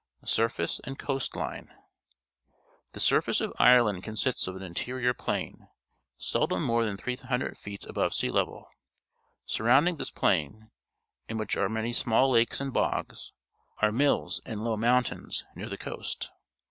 Surface and Coast Une. — The surface of Ireland consists of an interior plain, seldom more than 300 feet above sea level. Sur rounding this plain, in wliich are many small lakes and bogs, are Mils and low mountains near the coast.